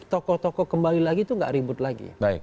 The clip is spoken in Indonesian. tokoh tokoh kembali lagi itu gak ribut lagi